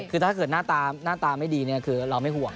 คือถ้าเกิดหน้าตาไม่ดีคือเราไม่ห่วง